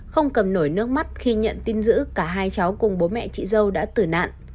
không cầm nổi nước mắt khi nhận tin giữ cả hai cháu cùng bố mẹ chị dâu đã tử nạn